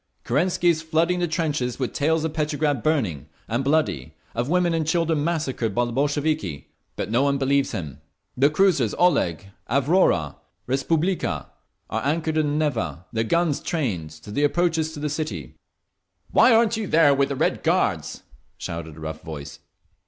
Kerensky is flooding the trenches with tales of Petrograd burning and bloody, of women and children massacred by the Bolsheviki. But no one believes him…. "The cruisers Oleg, Avrora and Respublica are anchored in the Neva, their guns trained on the approaches to the city…." "Why aren't you out there with the Red Guards?" shouted a rough voice.